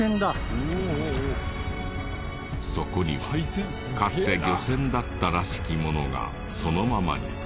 そこにはかつて漁船だったらしきものがそのままに。